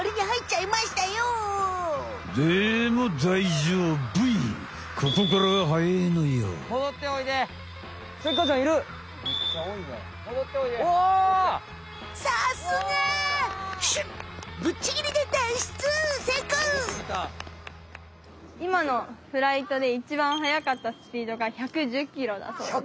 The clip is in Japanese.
いまのフライトでいちばんはやかったスピードが１１０キロだそうです。